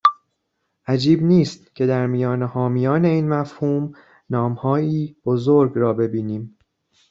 عجیب نیست که در میان حامیان این مفهوم، نامهایی بزرگ را ببینیم